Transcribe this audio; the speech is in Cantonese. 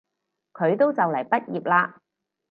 佢都就嚟畢業喇